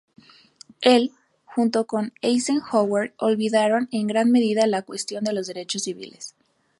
Él, junto con Eisenhower, olvidaron en gran medida la cuestión de los derechos civiles.